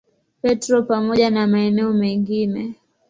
Petro pamoja na maeneo mengine.